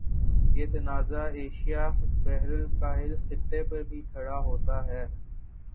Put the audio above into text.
یہ تنازع ایشیا بحرالکاہل خطے پر بھی کھڑا ہوتا ہے